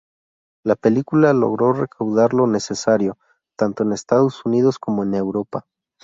La película logró recaudar lo necesario tanto en Estados Unidos como Europa.